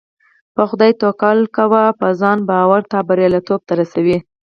په خدای توکل کوه او په ځان باور تا برياليتوب ته رسوي .